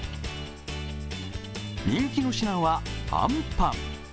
人気の品はあんパン。